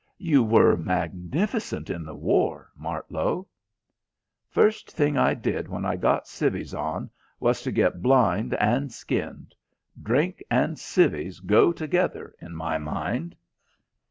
"You were magnificent in the war, Martlow." "First thing I did when I got civvies on was to get blind and skinned. Drink and civvies go together in my mind."